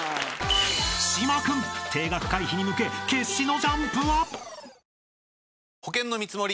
［島君停学回避に向け決死のジャンプは？］